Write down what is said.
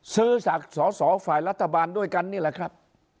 ซื้อจากสอสอฝ่ายรัฐบาลด้วยกันนี่แหละครับ